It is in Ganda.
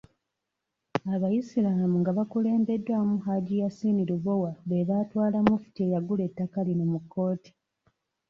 Abayisiraamu nga bakulembeddwamu Hajji Yasin Lubowa be baatwala Mufti eyagula ettaka lino mu kkooti.